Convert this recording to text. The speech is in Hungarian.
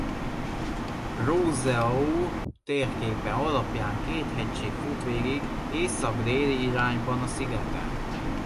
Rousseau térképe alapján két hegység fut végig észak-déli irányban a Szigeten.